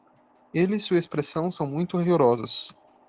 Ele e sua expressão são muito rigorosos